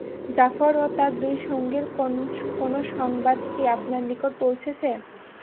জাফর ও তাঁর দুই সঙ্গীর কোন সংবাদ কি আপনার নিকট পৌঁছেছে?